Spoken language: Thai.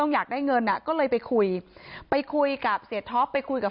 เพราะไม่มีเงินไปกินหรูอยู่สบายแบบสร้างภาพ